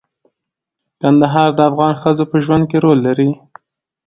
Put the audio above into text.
کندهار د افغان ښځو په ژوند کې رول لري.